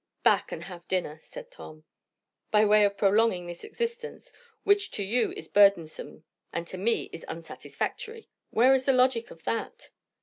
"Back, and have dinner," said Tom. "By way of prolonging this existence, which to you is burdensome and to me is unsatisfactory. Where is the logic of that?"